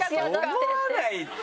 思わないって！